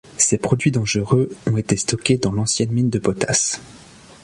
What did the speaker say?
Ces produits dangereux ont été stockés dans l'ancienne mine de potasse.